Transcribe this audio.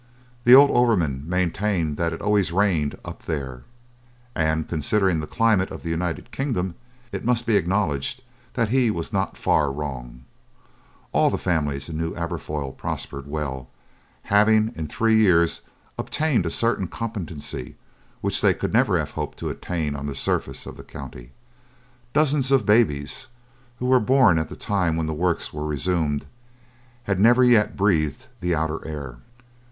The old overman maintained that it always rained "up there," and, considering the climate of the United Kingdom, it must be acknowledged that he was not far wrong. All the families in New Aberfoyle prospered well, having in three years obtained a certain competency which they could never have hoped to attain on the surface of the county. Dozens of babies, who were born at the time when the works were resumed, had never yet breathed the outer air.